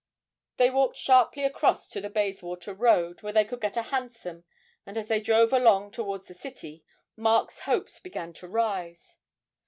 They walked sharply across to the Bayswater Road, where they could get a hansom; and as they drove along towards the City, Mark's hopes began to rise.